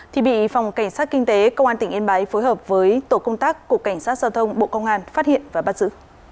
thì bị phòng cảnh sát kinh tế công an tỉnh yên bái phối hợp với tổ công tác cục cảnh sát giao thông bộ công an phát hiện và bắt giữ